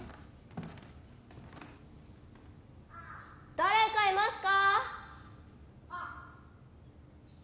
誰かいますか？